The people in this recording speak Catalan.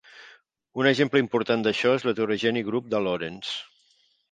Un exemple important d'això és l'heterogeni grup de Lorentz.